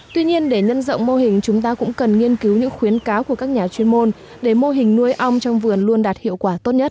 tuy nhiên để nhân rộng mô hình chúng ta cũng cần nghiên cứu những khuyến cáo của các nhà chuyên môn để mô hình nuôi ong trong vườn luôn đạt hiệu quả tốt nhất